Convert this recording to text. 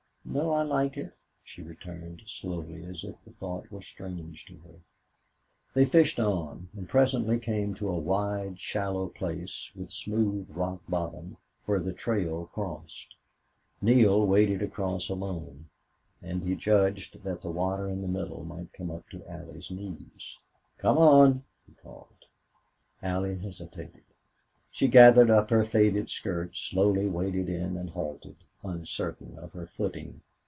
"No I like it," she returned, slowly, as if the thought were strange to her. They fished on, and presently came to a wide, shallow place with smooth rock bottom, where the trail crossed. Neale waded across alone. And he judged that the water in the middle might come up to Allie's knees. "Come on," he called. Allie hesitated. She gathered up her faded skirt, slowly waded in and halted, uncertain of her footing.